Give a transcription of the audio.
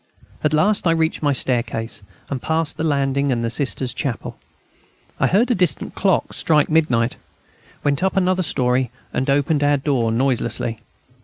At last I reached my staircase, and passed the landing and the Sisters' chapel. I heard a distant clock strike midnight, went up another storey, and opened our door noiselessly.